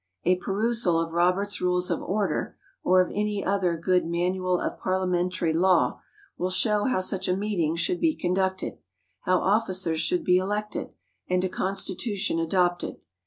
A perusal of Robert's Rules of Order or of any other good manual of parliamentary law, will show how such a meeting should be conducted, how officers should be elected and a constitution adopted.